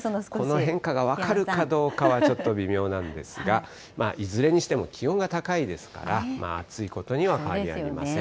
この変化が分かるかどうかはちょっと微妙なんですが、いずれにしても気温が高いですから、暑いことには変わりありません。